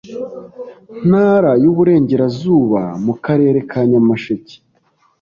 ntara y’Uburengerazuba, mu karere ka Nyamasheke